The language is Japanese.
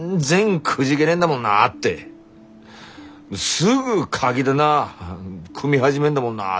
「すぐカキ棚組み始めんだもんなぁ」